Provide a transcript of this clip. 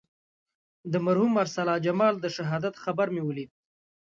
د مرحوم ارسلا جمال د شهادت خبر مې ولید.